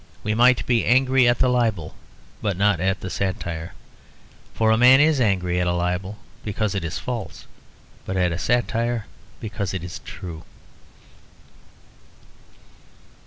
We might be angry at the libel, but not at the satire: for a man is angry at a libel because it is false, but at a satire because it is true.